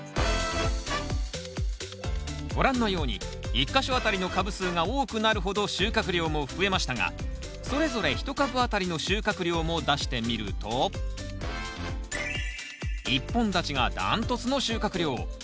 ご覧のように１か所あたりの株数が多くなるほど収穫量も増えましたがそれぞれ１株あたりの収穫量も出してみると１本立ちが断トツの収穫量。